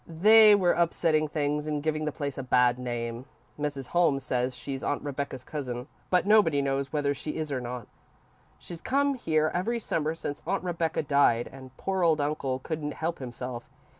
They were upsetting things and giving the place a bad name. Mrs. Holmes says she's Aunt Rebecca's cousin, but nobody knows whether she is or not. She's come here every Summer since Aunt Rebecca died, and poor old uncle couldn't help himself.